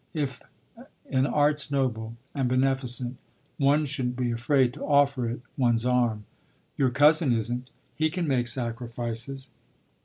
If an art's noble and beneficent one shouldn't be afraid to offer it one's arm. Your cousin isn't: he can make sacrifices."